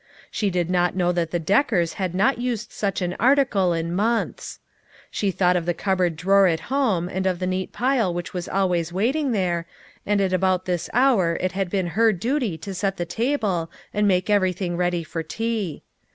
She did not know that the Deckers had not used such an article in months. She thought of the cupboard drawer at home, and of the neat pile which was always waiting there, and at about this hour it had been her duty to set the table and make everything ready for tea.